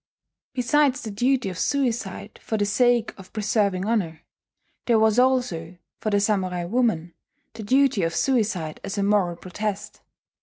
Besides the duty of suicide for the sake of preserving honour, there was also, for the samurai woman, the duty of suicide as a moral protest.